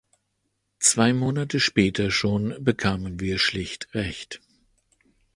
Zwei Monate später schon bekamen wir schlicht recht.